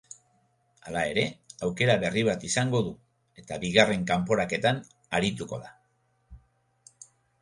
Hala ere, aukera berri bat izango du eta bigarren kanporaketan arituko da.